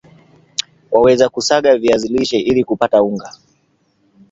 waweza kusaga viazi lishe ili kupata unga